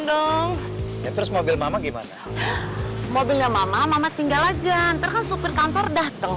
dong ya terus mobil mama gimana mobilnya mama mama tinggal aja ntar kan supir kantor datang